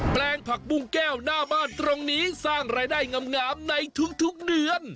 แปลงผักบุ้งแก้วหน้าบ้านตรงนี้สร้างรายได้งามในทุกเดือน